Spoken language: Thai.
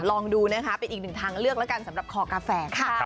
ลองดูนะคะเป็นอีกหนึ่งทางเลือกแล้วกันสำหรับคอกาแฟค่ะ